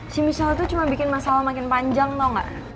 si misal tuh cuma bikin masalah makin panjang tau gak